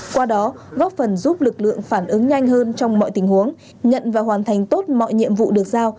qua đó góp phần giúp lực lượng phản ứng nhanh hơn trong mọi tình huống nhận và hoàn thành tốt mọi nhiệm vụ được giao